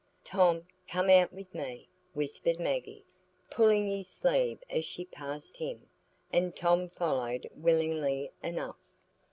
"Tom come out with me," whispered Maggie, pulling his sleeve as she passed him; and Tom followed willingly enough.